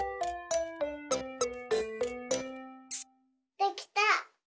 できた！